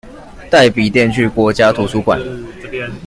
帶筆電去國家圖書館